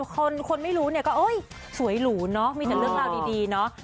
คนไม่รู้เนี่ยก็เอ้ยสวยหรูเนอะมีแต่เรื่องราวดีเนาะ